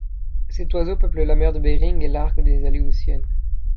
Cet oiseau peuple la mer de Bering et l'arc des Aléoutiennes.